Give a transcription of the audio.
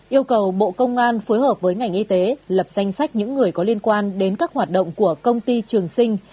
yêu cầu bộ công an phối hợp với ngành y tế lập danh sách những người có liên quan đến các hoạt động của công ty trường sinh